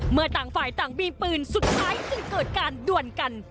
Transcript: ต่างฝ่ายต่างมีปืนสุดท้ายจึงเกิดการด่วนกัน